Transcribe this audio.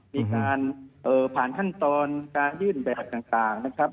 มีการผ่านขั้นตอนการยื่นแบบต่างนะครับ